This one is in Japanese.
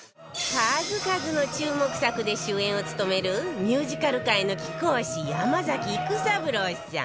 数々の注目作で主演を務めるミュージカル界の貴公子山崎育三郎さん